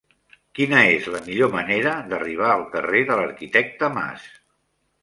Quina és la millor manera d'arribar al carrer de l'Arquitecte Mas?